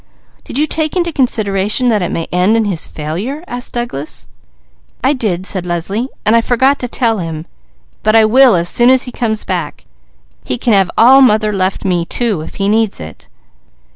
"Did you take into consideration that it may end in his failure?" asked Douglas. "I did," said Leslie, "and I forgot to tell him, but I will as soon as he comes back: he can have all mother left me, too, if he needs it."